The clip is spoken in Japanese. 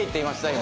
今。